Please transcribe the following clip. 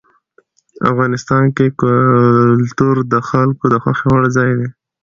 افغانستان کې کلتور د خلکو د خوښې وړ ځای دی.